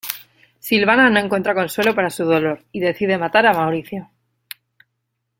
Silvana no encuentra consuelo para su dolor y decide matar a Mauricio.